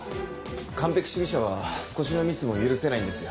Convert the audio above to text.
完璧主義者は少しのミスも許せないんですよ。